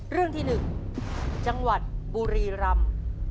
เรื่องที่๑จังหวัดบุรีรำ